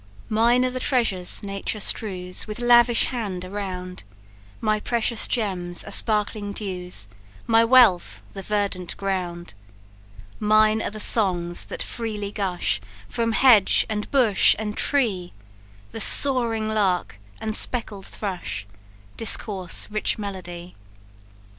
"Mine are the treasures Nature strews With lavish hand around; My precious gems are sparkling dews, My wealth the verdant ground. Mine are the songs that freely gush From hedge, and bush, and tree; The soaring lark and speckled thrush Discourse rich melody.